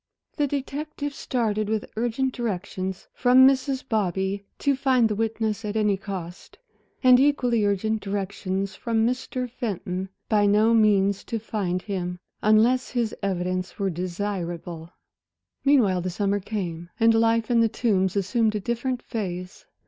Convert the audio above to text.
The detective started, with urgent directions from Mrs. Bobby to find the witness at any cost, and equally urgent directions from Mr. Fenton by no means to find him, unless his evidence were desirable. Meanwhile the summer came and life in The Tombs assumed a different phase.